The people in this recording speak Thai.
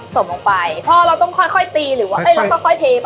ส่งลงไปเพราะเราต้องค่อยค่อยตีหรือว่าเอ้ยแล้วก็ค่อยเทปะ